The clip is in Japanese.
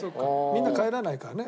みんな帰らないからね。